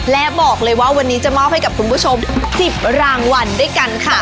และบอกเลยว่าวันนี้จะมอบให้กับคุณผู้ชม๑๐รางวัลด้วยกันค่ะ